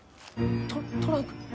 トトランク。